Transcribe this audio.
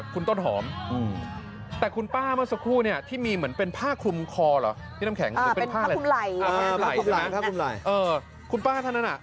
กุกไม่ก็ถึงแล้วนะ